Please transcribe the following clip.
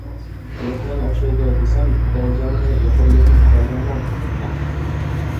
يوقىغان ئوخشايدۇ، دېسەم، دەرىجەڭنى يۇقىرىلىتىپ كەلدىڭمۇ؟ نېمە!